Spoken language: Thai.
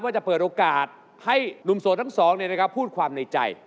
ว่าจะเปิดโอกาสให้หนุ่มโสดทั้งสองพูดความในใจ